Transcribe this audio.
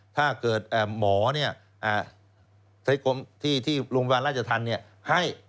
ถ้าเกิดหมอที่โรงพยาบาลราชทันให้